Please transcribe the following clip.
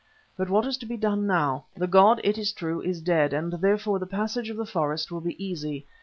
But what is to be done now? The god, it is true, is dead, and therefore the passage of the forest will be easy.